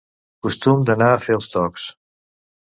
Costum d'"anar a fer els tocs".